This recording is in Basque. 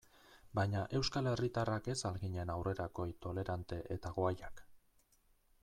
Baina euskal herritarrak ez al ginen aurrerakoi, tolerante eta guayak?